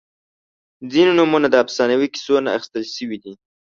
• ځینې نومونه د افسانوي کیسو نه اخیستل شوي دي.